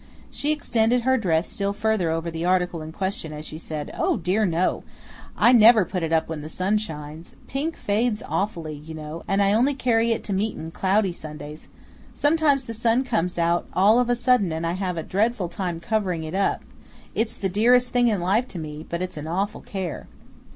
She extended her dress still farther over the article in question as she said, "Oh dear no! I never put it up when the sun shines; pink fades awfully, you know, and I only carry it to meetin' cloudy Sundays; sometimes the sun comes out all of a sudden, and I have a dreadful time covering it up; it's the dearest thing in life to me, but it's an awful care."